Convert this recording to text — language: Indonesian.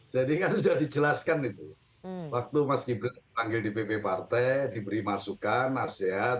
jadi kan sudah dijelaskan itu waktu mas gibran ditanggil di pp partai diberi masukan nasihat